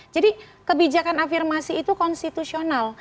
jadi kebijakan afirmasi itu konstitusional